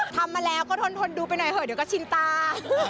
ทำมาแล้วก็ทนดูไปหน่อยเถอะเดี๋ยวก็ชินตา